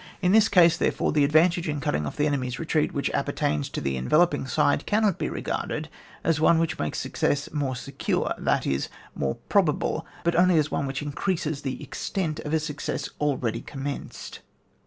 In this case, therefore, the ad vantage in cutting off the enemy's retreat, which appertains to the enveloping side, cannot be regarded as one which makes success more secure, that is, more pro^ habhy but only as one which increases the extent of a success already com menced.